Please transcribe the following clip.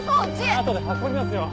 あとで運びますよ。